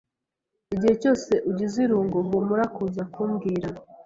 Igihe cyose ugize irungu, humura kuza kumbwira.